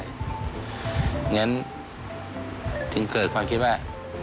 อย่างนั้นจึงเกิดความคิดว่า